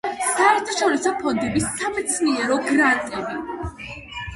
საერთაშორისო ფონდების სამეცნიერო გრანტები.